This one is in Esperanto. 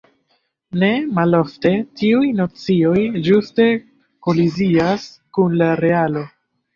Ne malofte tiuj nocioj ĝuste kolizias kun la realo.